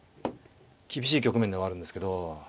厳しい局面ではあるんですけど。